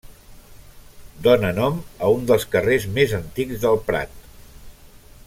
Dóna nom a un dels carrers més antics del Prat.